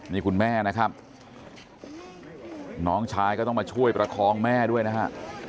นี่คุณแม่นะครับน้องชายก็ต้องมาช่วยประคองแม่ด้วยนะฮะ